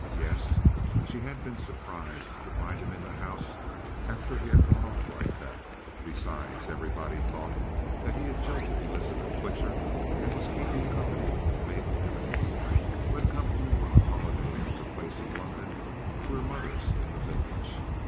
Yes; she had been surprised to find him in the house after he had gone off like that. Besides, everybody thought that he had jilted Elizabeth Twitcher and was keeping company with Mabel Evans, who had come home on a holiday from her place in London to her mother's in the village.